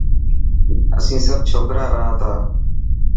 اسين سڀ ڇوڪرا رهان تا.